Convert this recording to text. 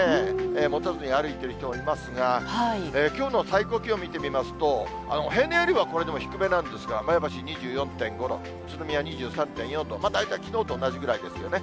持たずに歩いている人もいますが、きょうの最高気温見てみますと、平年よりはこれでも低めなんですが、前橋２４．５度、宇都宮２３．４度、まあ大体きのうと同じぐらいですよね。